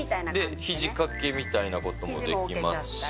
ひじ掛けみたいなこともできますし。